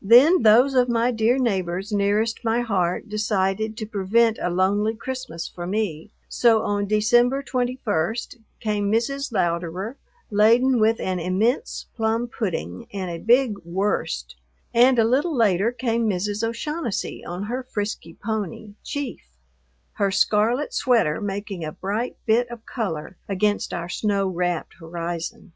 Then those of my dear neighbors nearest my heart decided to prevent a lonely Christmas for me, so on December 21st came Mrs. Louderer, laden with an immense plum pudding and a big "wurst," and a little later came Mrs. O'Shaughnessy on her frisky pony, Chief, her scarlet sweater making a bright bit of color against our snow wrapped horizon.